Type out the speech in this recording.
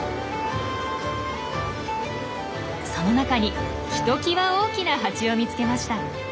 その中にひときわ大きなハチを見つけました。